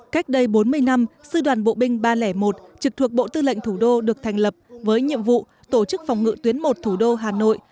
cách đây bốn mươi năm sư đoàn bộ binh ba trăm linh một trực thuộc bộ tư lệnh thủ đô được thành lập với nhiệm vụ tổ chức phòng ngự tuyến một thủ đô hà nội